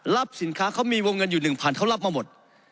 รับสินค้าเขามีวงเงินอยู่หนึ่งพันเขารับมาหมด